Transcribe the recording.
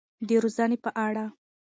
د روزنې په اړه.